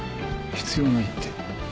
必要ないって。